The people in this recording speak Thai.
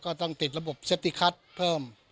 ต้องติดระบบเซฟติคัทเพิ่ม